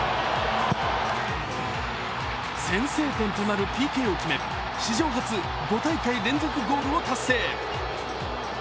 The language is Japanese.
先制点となるＰＫを決め、史上初５大会連続ゴールを達成。